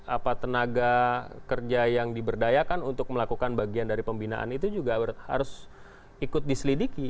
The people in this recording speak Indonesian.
apa tenaga kerja yang diberdayakan untuk melakukan bagian dari pembinaan itu juga harus ikut diselidiki